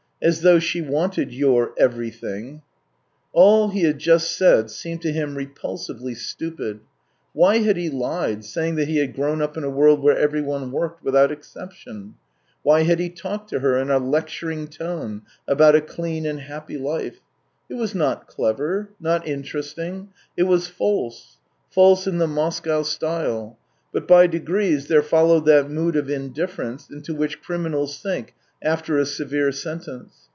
As though she wanted your everything !" All he had just said seemed to him repulsively stupid. Why had he lied, saying that he had grown up in a world where everyone worked, without exception ? Why had he talked to her in a lecturing tone about a clean and happy THREE YEARS 199 life ? It was not clever, not interesting; it was false — false in the Moscow style. But by degrees there followed that mood of indifference into which criminals sink after a severe sentence.